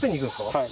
はい。